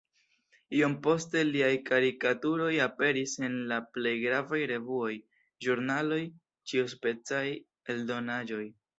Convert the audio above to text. Iom poste liaj karikaturoj aperis en la plej gravaj revuoj, ĵurnaloj, ĉiuspecaj eldonaĵoj.